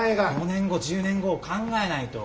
５年後１０年後を考えないと。